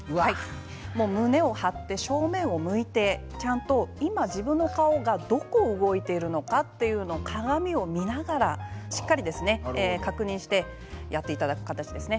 胸を張って正面を向いてちゃんと今、自分の顔がどこが動いているのかというのを鏡を見ながらしっかり確認してやっていただく形ですね。